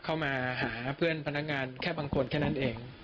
เข้ามาหาเพื่อนพนักงานแค่บางคนแค่นั้นเอง